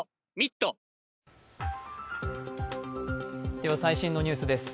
では最新のニュースです。